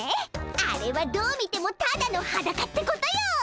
あれはどう見てもただのハダカってことよ！